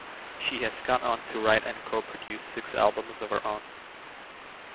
She has gone on to write and co produce six albums of her own.